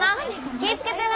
気ぃ付けてな。